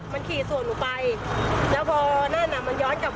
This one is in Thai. มันขี่ส่วนหนูไปแล้วพอนั่นอ่ะมันย้อนกลับ